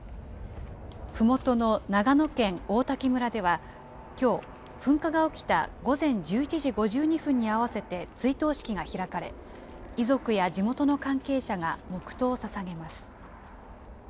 ふもとの長野県王滝村では、きょう、噴火が起きた午前１１時５２分に合わせて追悼式が開かれ、遺族や地元の関係者が黙とうをささげます。